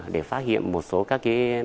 để phát hiện một số các